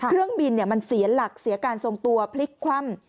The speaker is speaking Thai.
เครื่องบินมันเสียหลักเสียการทรงตัวพลิกคว่ำ